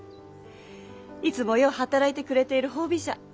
いつもよう働いてくれている褒美じゃ。